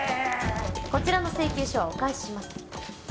こちらの請求書はお返しします。